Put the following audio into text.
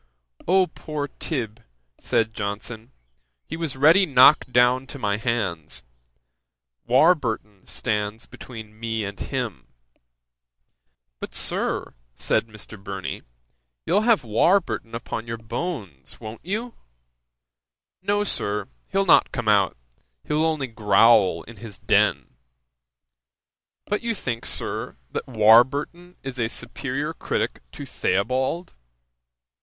"O poor Tib.! (said Johnson) he was ready knocked down to my hands; Warburton stands between me and him." "But, Sir, (said Mr. Burney,) you'll have Warburton upon your bones, won't you?" "No, Sir; he'll not come out: he'll only growl in his den." "But you think, Sir, that Warburton is a superiour critick to Theobald?"